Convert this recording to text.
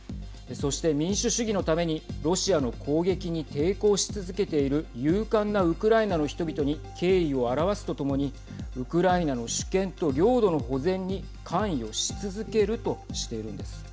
そして、民主主義のためにロシアの攻撃に抵抗し続けている勇敢なウクライナの人々に敬意を表すとともにウクライナの主権と領土の保全に関与し続けるとしているんです。